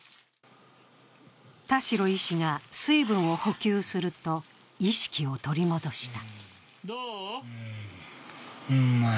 田代医師が水分を補給すると意識を取り戻した。